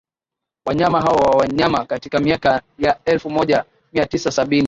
wanyama wao wa wanyama Katika miaka ya elfumoja miatisa sabini